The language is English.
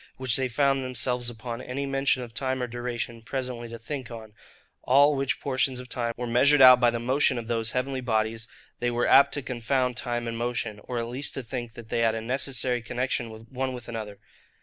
which they found themselves upon any mention of time or duration presently to think on, all which portions of time were measured out by the motion of those heavenly bodies, they were apt to confound time and motion; or at least to think that they had a necessary connexion one with another.